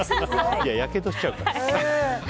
やけどしちゃうから。